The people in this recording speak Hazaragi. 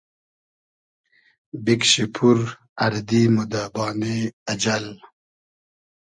بیکشی پور اردی مۉ دۂ بانې اجئل